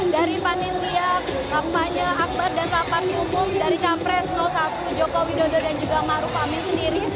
dari panitia kampanye akbar dan rapat umum dari capres satu joko widodo dan juga maruf amin sendiri